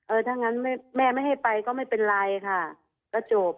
ถ้างั้นแม่ไม่ให้ไปก็ไม่เป็นไรค่ะก็จบ